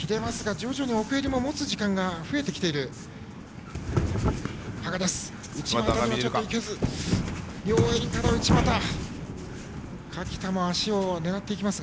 徐々に奥襟を持つ時間が増えてきている羽賀です。